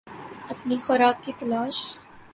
اپنی خوراک کی تلاش